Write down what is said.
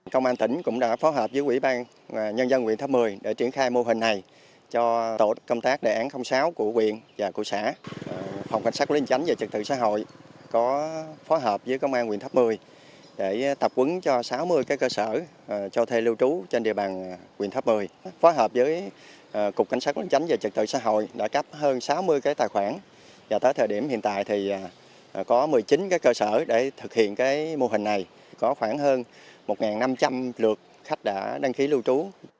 tại thời điểm hiện tại có một mươi chín cơ sở để thực hiện mô hình này có khoảng hơn một năm trăm linh lượt khách đã đăng ký lưu trú